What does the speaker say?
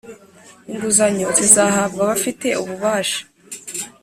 Inguzanyo zihabwa abafite ububasha